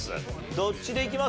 どっちでいきます？